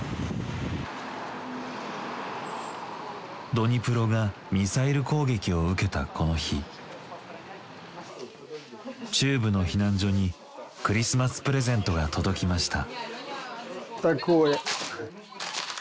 ドニプロがミサイル攻撃を受けたこの日中部の避難所にクリスマスプレゼントが届きました。